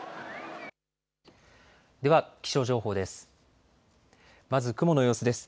では気象情報です。